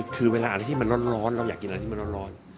คือเวลาอะไรที่มันร้อนเราอยากกินอะไรที่มันร้อน